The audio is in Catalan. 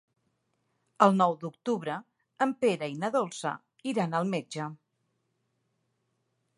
El nou d'octubre en Pere i na Dolça iran al metge.